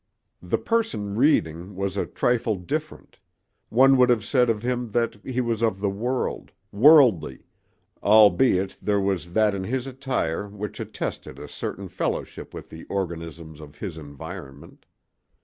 The person reading was a trifle different; one would have said of him that he was of the world, worldly, albeit there was that in his attire which attested a certain fellowship with the organisms of his environment.